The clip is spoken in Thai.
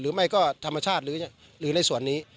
หรือไม่ก็ธรรมชาติหรือในส่วนนี้